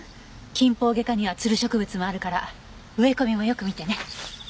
キンポウゲ科にはつる植物もあるから植え込みもよく見てね。